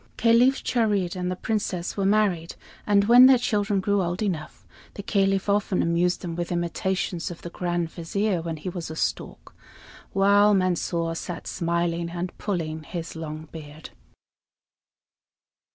Caliph Charid and the Princess were married; and when their children grew old enough, the Caliph often amused them with imitations of the Grand Vizier when he was a stork, while Mansor sat smiling and pulling his long beard.